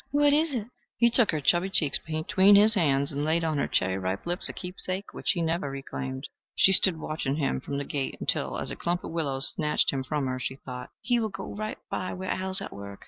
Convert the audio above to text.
"What is it?" He took her chubby cheeks between his hands and laid on her cherry ripe lips a keepsake which he never reclaimed. She stood watching him from the gate until, as a clump of willows snatched him from her, she thought, "He will go right by where Al is at work.